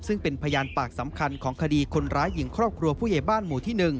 ซึ่งเป็นพยานปากสำคัญของคดีคนร้ายหญิงครอบครัวผู้ใหญ่บ้านหมู่ที่๑